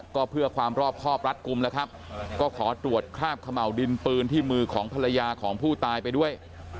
ก็เพื่อความรอบครอบรัดกลุ่มแล้วครับก็ขอตรวจคราบเขม่าวดินปืนที่มือของภรรยาของผู้ตายไปด้วย